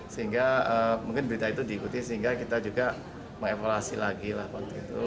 sehingga mungkin berita itu diikuti sehingga kita juga mengevaluasi lagi lah waktu itu